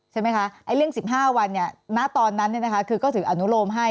ใช่ไหมคะเรื่อง๑๕วันณตอนนั้นคือก็ถืออนุโลมให้